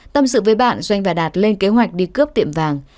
tâm sự với bạn doanh và đạt lên kế hoạch đi cướp tiệm vàng